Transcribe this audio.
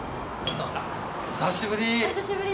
久しぶり。